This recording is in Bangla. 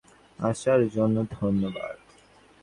আসার জন্য ধন্যবাদ।